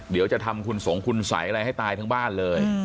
เดี๋ยวจะทำคุณสงคุณสัยอะไรให้ตายทั้งบ้านเลย